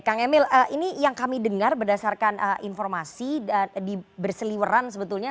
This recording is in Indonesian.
kang emil ini yang kami dengar berdasarkan informasi berseliweran sebetulnya